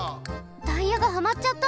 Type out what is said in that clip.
タイヤがハマっちゃった！